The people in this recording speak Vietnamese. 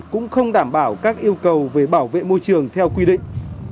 cũng không đảm bảo các yêu cầu về bảo vệ môi trường theo quy định